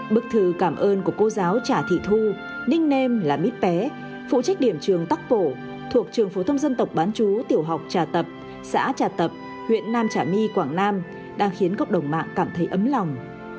bức thư cảm ơn của cô giáo trả thị thu ninh nem là mít bé phụ trách điểm trường tắc phổ thuộc trường phổ thông dân tộc bán chú tiểu học trà tập xã trà tập huyện nam trà my quảng nam đang khiến cộng đồng mạng cảm thấy ấm lòng